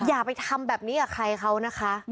อย่าไปทำแบบนี้กับใครเขานะคะ